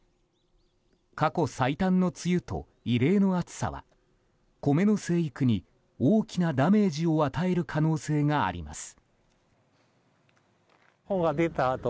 過去最短の梅雨と異例の暑さはコメの生育に大きなダメージを与える可能性があります。